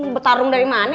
betarung dari mana